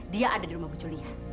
dia ada di rumah bu julia